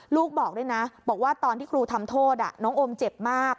ลูกบอกด้วยนะบอกว่าตอนที่ครูทำโทษน้องโอมเจ็บมาก